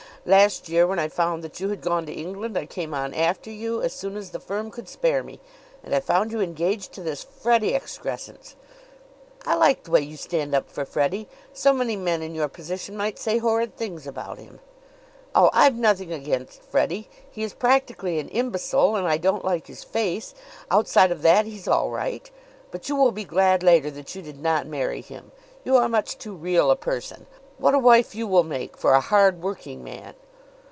Last year, when I found that you had gone to England, I came on after you as soon as the firm could spare me. And I found you engaged to this Freddie excrescence." "I like the way you stand up for Freddie. So many men in your position might say horrid things about him." "Oh, I've nothing against Freddie. He is practically an imbecile and I don't like his face; outside of that he's all right. But you will be glad later that you did not marry him. You are much too real a person. What a wife you will make for a hard working man!"